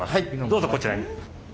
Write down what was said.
どうぞこちらに。